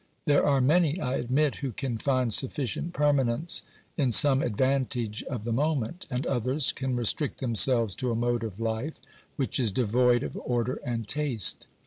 There are many, I admit, who can find sufficient permanence in some advantage of the moment, and others can restrict themselves to a mode of life which is devoid of order and taste.